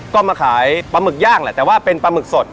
ก็มาขายปลาหมึกย่างแหละแต่ว่าเป็นปลาหมึกสด